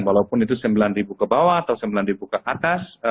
walaupun itu sembilan ke bawah atau sembilan ke atas